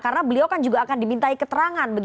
karena beliau kan juga akan dimintai keterangan